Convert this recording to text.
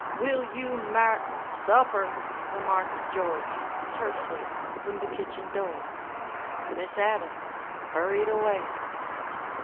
Will you mar—" "Supper," remarked George, tersely, from the kitchen door. Miss Adams hurried away.